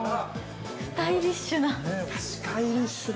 ◆スタイリッシュな。